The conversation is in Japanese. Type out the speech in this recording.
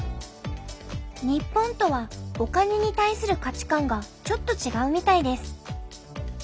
日本とはお金に対する価値観がちょっと違うみたいです。